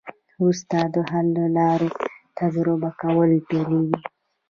وروسته د حل لارو تجربه کول پیلیږي.